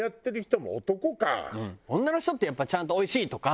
女の人ってやっぱちゃんと「おいしい」とか。